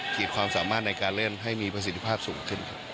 ขีดความสามารถในการเล่นให้มีประสิทธิภาพสูงขึ้นครับ